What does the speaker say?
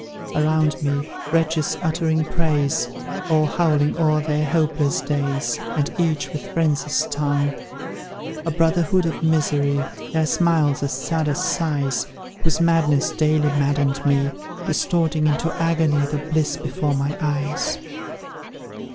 Around me, wretches uttering praise, Or howling o'er their hopeless days, And each with Frenzy's tongue; A brotherhood of misery, Their smiles as sad as sighs; Whose madness daily maddened me, Distorting into agony The bliss before my eyes!